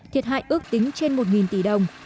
thiệt hại ước tính trên một tỷ đồng